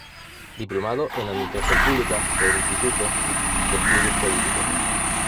Diplomado en Administración Pública por el Instituto de Estudios Políticos.